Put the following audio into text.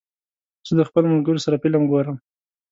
زه د خپلو ملګرو سره فلم ګورم.